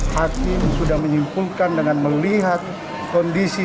hakim sudah menyimpulkan dengan melihat kondisi